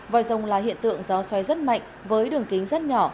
vòi rồng là hiện tượng gió xoay rất mạnh với đường kính rất nhỏ